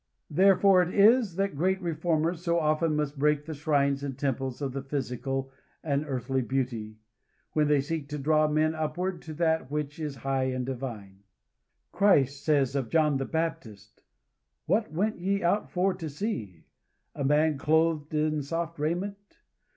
Therefore it is that great reformers so often must break the shrines and temples of the physical and earthly beauty, when they seek to draw men upward to that which is high and divine. Christ says of John the Baptist, "What went ye out for to see? A man clothed in soft raiment?